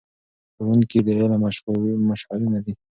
ښوونکي د علم مشعلونه دي.